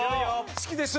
好きです。